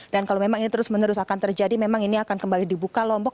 dan kalau memang ini terus menerus akan terjadi memang ini akan kembali dibuka lombok